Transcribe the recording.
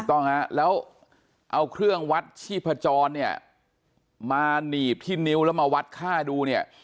ต้องฮะแล้วเอาเครื่องวัดชีพจรเนี่ยมาหนีบที่นิ้วแล้วมาวัดค่าดูเนี่ย